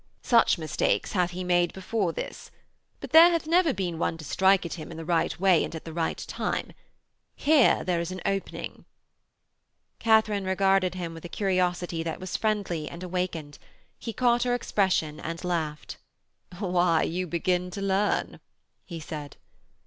Such mistakes hath he made before this. But there hath never been one to strike at him in the right way and at the right time. Here then is an opening.' Katharine regarded him with a curiosity that was friendly and awakened: he caught her expression and laughed. 'Why, you begin to learn,' he said.